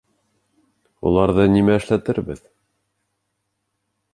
Уларҙы нимә эшләтәбеҙ?